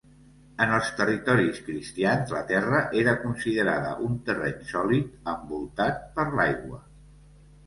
En els territoris cristians la Terra era considerada un terreny sòlid, envoltat per l'aigua.